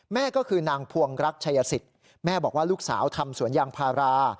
แม่ก็คือนางพวงรักชัยสิทธิ์แม่บอกว่าลูกสาวทำสวนยางพารา